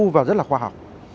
và rất là khoa học